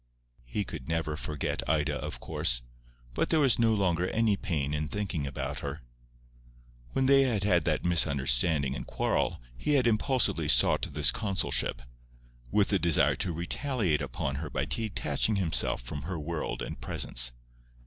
He could never forget Ida, of course; but there was no longer any pain in thinking about her. When they had had that misunderstanding and quarrel he had impulsively sought this consulship, with the desire to retaliate upon her by detaching himself from her world and presence.